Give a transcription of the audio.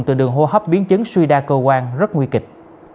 từ đường hô hấp biến chứng suy đa cơ quan rất nguy kịch